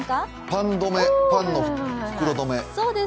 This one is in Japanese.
パンどめ、パンの袋どめ。